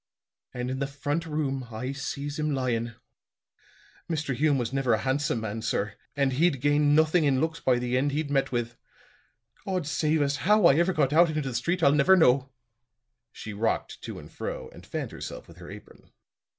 And in the front room I sees him lyin'. Mr. Hume was never a handsome man, sir; and he'd gained nothing in looks by the end he'd met with. God save us, how I ever got out into the street, I'll never know." She rocked to and fro and fanned herself with her apron.